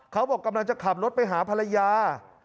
เขาบอกกำลังจะขับรถไปหาภรรยา